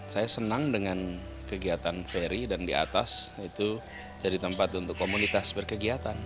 saya senang dengan kegiatan ferry dan di atas itu jadi tempat untuk komunitas berkegiatan